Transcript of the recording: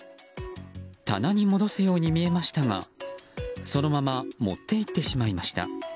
棚に戻すように見えましたがそのまま持って行ってしまいました。